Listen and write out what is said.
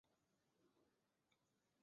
而它也有一个磁场改变的周期。